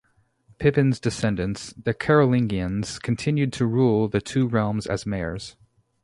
Pippin's descendants, the Carolingians, continued to rule the two realms as mayors.